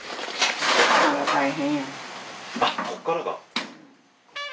あっこっからが。